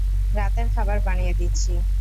রাতের খাবার বানিয়ে দিচ্ছি।